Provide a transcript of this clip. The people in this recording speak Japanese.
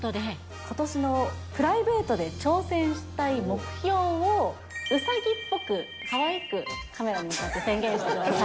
ことしのプライベートで挑戦したい目標をうさぎっぽく、かわいく、カメラに向かって宣言してください。